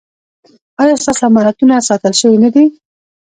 ایا ستاسو امانتونه ساتل شوي نه دي؟